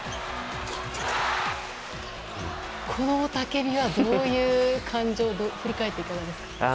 この雄たけびはどういう感情振り返っていかがですか。